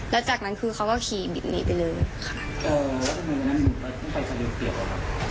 แล้วจากนั้นคือเขาก็ขี่หนีไปเลยค่ะ